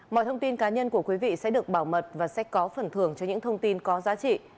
mọi thông tin cá nhân của quý vị sẽ được bảo mật và sẽ có phần thưởng cho những thông tin có giá trị